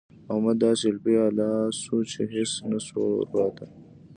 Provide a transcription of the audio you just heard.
احمد داسې الپی الا سو چې هيڅ نه شول ورپاته.